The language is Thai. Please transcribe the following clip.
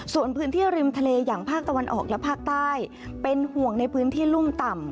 ส่วนพื้นที่ริมทะเลอย่างภาคตะวันออกและภาคใต้เป็นห่วงในพื้นที่รุ่มต่ำ